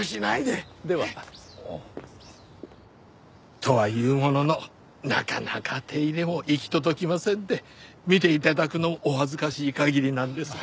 とは言うもののなかなか手入れも行き届きませんで見て頂くのもお恥ずかしい限りなんですが。